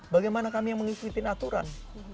bagaimana kami yang mengikuti aturan